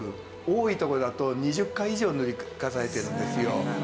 多いところだと２０回以上塗り重ねてるんですよ。